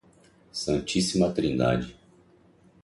Santíssima Trindade